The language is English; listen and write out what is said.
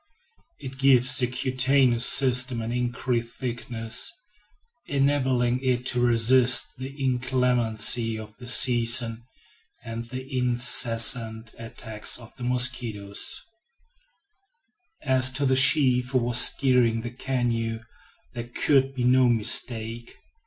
It gives the cutaneous system an increased thickness, enabling it to resist the inclemency of the season and the incessant attacks of the mosquito. As to the chief who was steering the canoe, there could be no mistake.